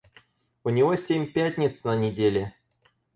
У него семь пятниц на неделе.